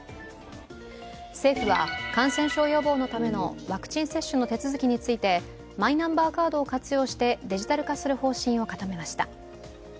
政府は、感染症予防のためのワクチン接種の手続きについてマイナンバーカードを活用してデジタル化する方針を固めました。